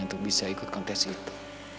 untuk bisa ikut kontes itu